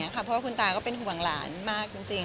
เพราะว่าคุณตาก็เป็นห่วงหลานมากจริง